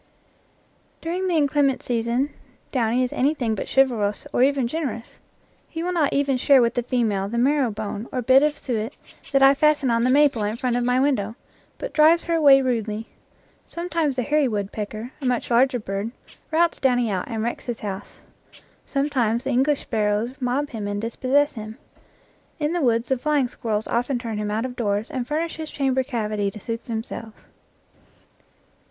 During the inclement season Downy is anything but chivalrous or even generous. He will not even share with the female the marrow bone or bit of suet that I fasten on the maple in front of my win dow, but drives her away rudely. Sometimes the hairy woodpecker, a much larger bird, routs Downy out and wrecks his house. Sometimes the English sparrows mob him and dispossess him. In the woods the flying squirrels often turn him out of doors and furnish his chamber cavity to suit themselves.